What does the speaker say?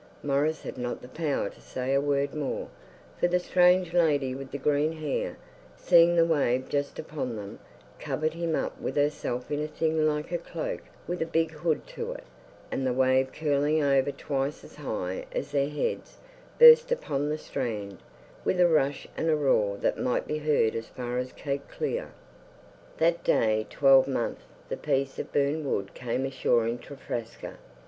Maurice had not the power to say a word more, for the strange lady with the green hair, seeing the wave just upon them, covered him up with herself in a thing like a cloak with a big hood to it, and the wave curling over twice as high as their heads, burst upon the strand, with a rush and a roar that might be heard as far as Cape Clear. That day twelvemonth the piece of burned wood came ashore in Trafraska.